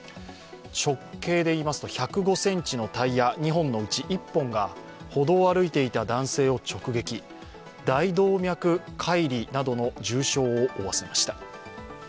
直径１０５ｃｍのタイヤ２本のうち１本が歩道を歩いていた男性を直撃、大動脈解離などの重傷を負わせました。